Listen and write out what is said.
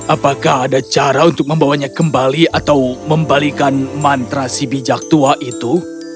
apakah ada cara untuk membawanya kembali atau membalikan mantra si bijak tua itu